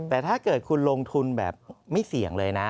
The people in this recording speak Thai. แต่ถ้าเกิดคุณลงทุนแบบไม่เสี่ยงเลยนะ